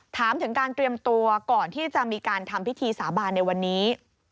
ถามถึงการเตรียมตัวก่อนที่จะมีการทำพิธีสาบานในวันนี้